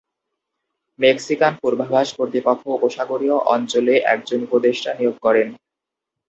Mexican পূর্বাভাস কর্তৃপক্ষ উপসাগরীয় অঞ্চলে একজন উপদেষ্টা নিয়োগ করেন।